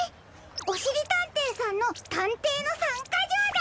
おしりたんていさんのたんていの３かじょうだ！